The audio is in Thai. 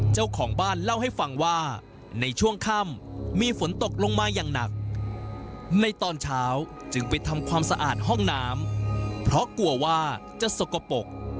เจ้าของบ้านเล่าให้ฟังว่าในช่วงค่ำมีฝนตกลงมาอย่างหนักในตอนเช้าจึงไปทำความสะอาดห้องน้ำเพราะกลัวว่าจะสกปรก